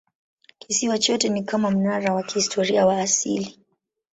Kisiwa chote ni kama mnara wa kihistoria wa asili.